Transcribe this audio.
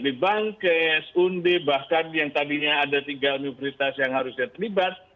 di bank ks undi bahkan yang tadinya ada tiga universitas yang harusnya terlibat